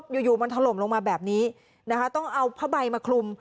อยู่มันถล่มลงมาแบบนี้นะคะต้องเอาผ้าใบมาคลุม